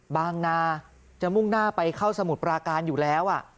นาจะมุ่งหน้าไปเข้าสมุทรปราการอยู่แล้ว